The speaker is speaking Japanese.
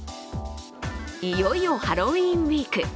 いよいよハロウィーンウイーク